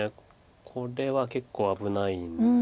これは結構危ないんですよね。